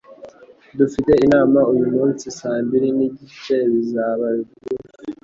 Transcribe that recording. Dufite inama uyumunsi saa mbiri nigice. Bizaba bigufi.